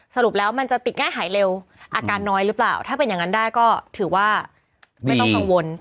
สรุปแล้วมันจะติดง่ายหายเร็วอาการน้อยหรือเปล่าถ้าเป็นอย่างนั้นได้ก็ถือว่าไม่ต้องกังวล